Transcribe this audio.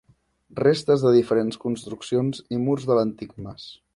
Restes de diferents construccions i murs de l'antic mas.